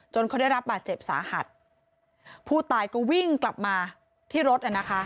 จนเขาได้รับบาดเจ็บสาหัสผู้ตายจะวิ่งกลับมาที่รถ